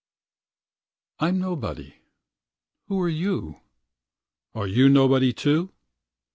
I. I'm nobody! Who are you? Are you nobody, too?